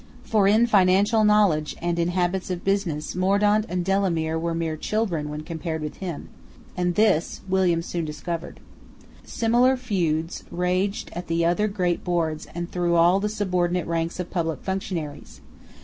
For in financial knowledge and in habits of business Mordaunt and Delamere were mere children when compared with him; and this William soon discovered. Similar feuds raged at the other great boards and through all the subordinate ranks of public functionaries.